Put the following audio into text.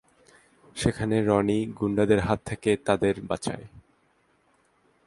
সেখানে রনি গুন্ডাদের হাত থেকে তাদের বাঁচায়।